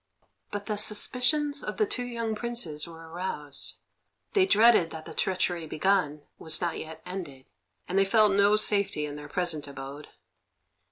But the suspicions of the two young Princes were aroused; they dreaded that the treachery begun was not yet ended, and they felt no safety in their present abode.